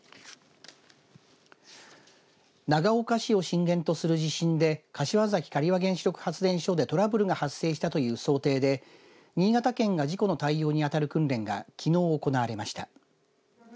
長岡市を震源とする地震で柏崎刈羽原子力発電所でトラブルが発生したという想定で新潟県が事故の対応にあたる訓練が、きのう行われました。